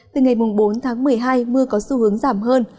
từ ngày bốn tháng một mươi hai mưa có xu hướng giảm hơn